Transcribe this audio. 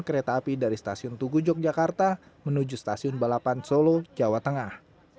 kereta api dari stasiun tugu yogyakarta menuju stasiun balapan solo jawa tengah